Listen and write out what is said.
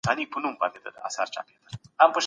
په مابينځ کي يوه لویه دښته ده.